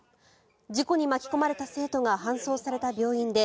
事故に巻き込まれた生徒が搬送された病院で